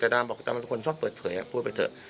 แต่ตอนนี้บอกอาจารย์ก็คุณชอบเปิดเผยนะพูดไปเถอะ